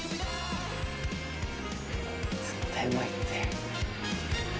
絶対うまいって。